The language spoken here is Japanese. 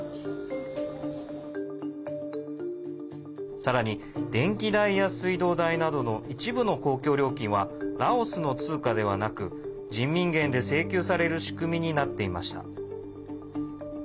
さらに、電気代や水道代などの一部の公共料金はラオスの通貨ではなく人民元で請求される仕組みになっていました。